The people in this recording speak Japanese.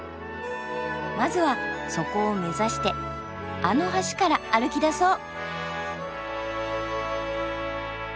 まずはそこを目指してあの橋から歩きだそう。